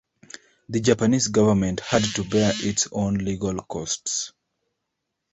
The Japanese government had to bear its own legal costs.